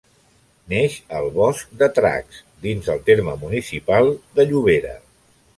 Neix al Bosc de Tracs dins el terme municipal de Llobera.